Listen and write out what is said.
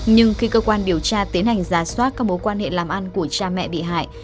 nhưng khi cơ quan điều tra tiến hành giả soát các mối quan hệ làm ăn của cha mẹ bị hại